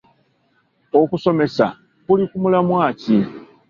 Okusomesa kuli ku mulamwa ki?